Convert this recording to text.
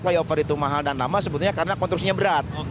flyover itu mahal dan lama sebetulnya karena konstruksinya berat